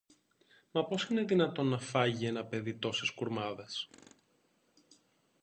Μα πώς είναι δυνατόν να φάγει ένα παιδί τόσες κουρμάδες;